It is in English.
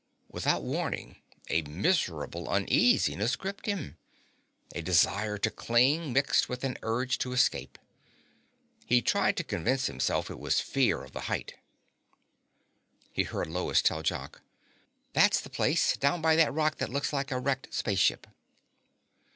Without warning a miserable uneasiness gripped him, a desire to cling mixed with an urge to escape. He tried to convince himself it was fear of the height. He heard Lois tell Jock, "That's the place, down by that rock that looks like a wrecked spaceship."